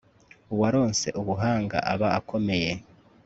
uwaronse ubuhanga aba akomeye